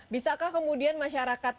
bisakah kemudian masyarakat